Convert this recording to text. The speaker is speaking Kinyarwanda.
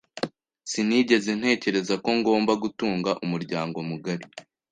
Sinigeze ntekereza ko ngomba gutunga umuryango mugari .